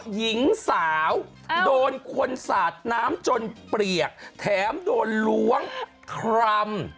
หญิงสาวโดนคนสาดน้ำจนเปียกแถมโดนล้วงครำ